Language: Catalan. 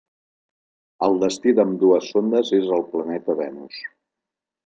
El destí d'ambdues sondes és el planeta Venus.